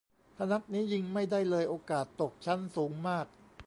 ถ้านัดนี้ยิงไม่ได้เลย โอกาสตกชั้นสูงมาก